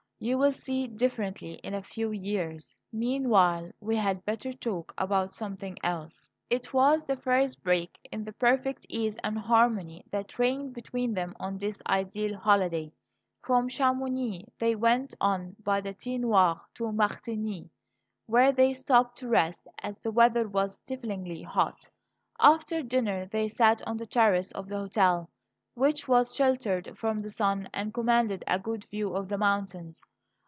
You will see differently in a few years. Meanwhile we had better talk about something else." It was the first break in the perfect ease and harmony that reigned between them on this ideal holiday. From Chamonix they went on by the Tete Noire to Martigny, where they stopped to rest, as the weather was stiflingly hot. After dinner they sat on the terrace of the hotel, which was sheltered from the sun and commanded a good view of the mountains.